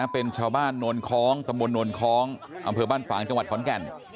เป็นชาวบ้านโนนคล้องตำบลโนนคล้องอำเภอบ้านฝางจังหวัดขอนแก่น